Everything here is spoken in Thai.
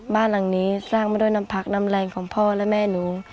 บ้านหลังนี้สร้างมาด้วยน้ำพักน้ำแรงของพ่อและแม่หนู